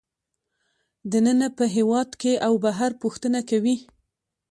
دننه په هېواد کې او بهر پوښتنه کوي